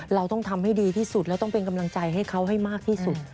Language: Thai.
เราต้องทำให้ดีที่สุดแล้วต้องเป็นกำลังใจให้เขาให้มากที่สุด